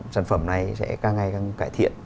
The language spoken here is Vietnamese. sản phẩm này sẽ càng ngày càng cải thiện